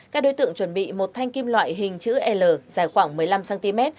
các đối tượng chuẩn bị một thanh kim loại hình chữ l dài khoảng một mươi năm cm